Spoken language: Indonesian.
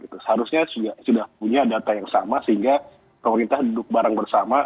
seharusnya sudah punya data yang sama sehingga pemerintah duduk bareng bersama